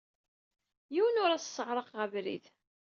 Yiwen ur as-sseɛraqeɣ abrid.